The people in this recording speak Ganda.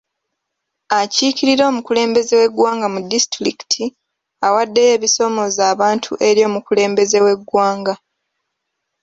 Akikirira omukulembeze w'eggwanga mu disitulikiti awaddeyo ebisoomoza abantu eri omukulembeze w'eggwanga.